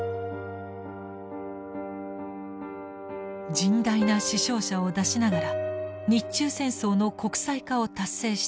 甚大な死傷者を出しながら日中戦争の国際化を達成した介石。